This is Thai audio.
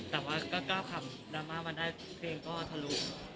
แต่ว่าก็กล้าบทำดราม่ามาพลิงก็ทะลุ